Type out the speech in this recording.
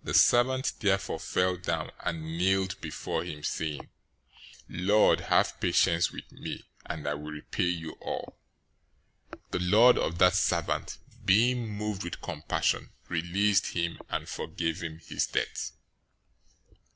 018:026 The servant therefore fell down and kneeled before him, saying, 'Lord, have patience with me, and I will repay you all!' 018:027 The lord of that servant, being moved with compassion, released him, and forgave him the debt.